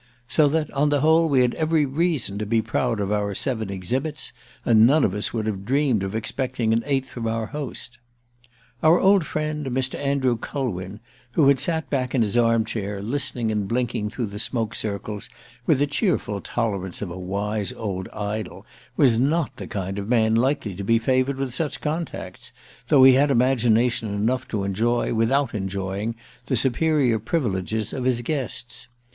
So that, on the whole, we had every reason to be proud of our seven "exhibits," and none of us would have dreamed of expecting an eighth from our host. Our old friend, Mr. Andrew Culwin, who had sat back in his arm chair, listening and blinking through the smoke circles with the cheerful tolerance of a wise old idol, was not the kind of man likely to be favoured with such contacts, though he had imagination enough to enjoy, without envying, the superior privileges of his guests.